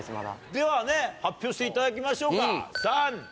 ではね発表していただきましょうか。